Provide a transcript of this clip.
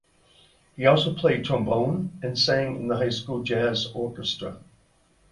He also played trombone and sang in the high school jazz orchestra.